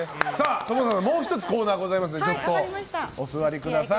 ともさかさんもう１つコーナーがございますのでお座りください。